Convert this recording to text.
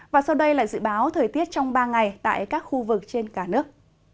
và sau đây là dự báo thời tiết trong ba ngày tại các khu vực trên cả nước